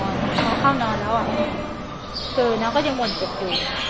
เขาเข้านอนแล้วอ่ะเกิดน้องก็ยังหวั่นเจ็บอยู่